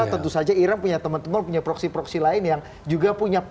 seserius itu menurut anda menurut saya ya